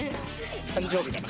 誕生日かな。